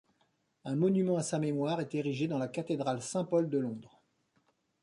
Un monument à sa mémoire est érigé dans la cathédrale Saint-Paul de Londres.